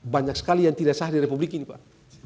banyak sekali yang tidak sah di republik ini pak